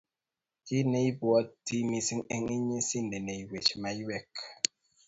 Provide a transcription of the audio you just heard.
Kiy neibwoti mising eng inyee sindenewech maiwek